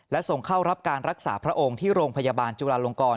และส่งเข้ารับการรักษาพระองค์ที่โรงพยาบาลจุลาลงกร